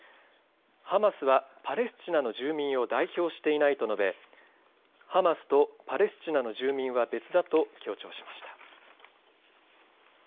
ハマスはパレスチナの住民を代表していないと述べハマスとパレスチナの住民は別だと強調しました。